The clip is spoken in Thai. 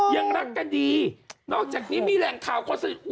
ยังรักกันดีนอกจากนี้มีแหล่งข่าวคนสนิท